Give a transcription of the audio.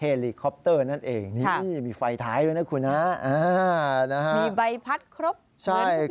เฮลิคอปเตอร์เรียกว่าลำใช่ไหมครับให้เกียรติ